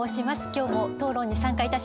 今日も討論に参加いたします。